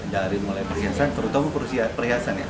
dari mulai perhiasan terutama kursi perhiasan ya